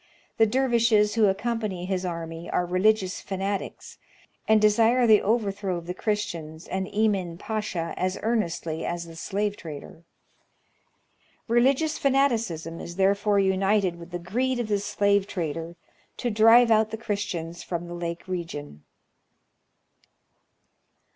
The dervishes who acconipany his army are religious fanatics, and desire the overthrow of the Christians and Emin Pacha as earnestly as the slave trader. Religious fanaticism is therefore united with the greed of the slave trader to drive out the Christians from the lake region.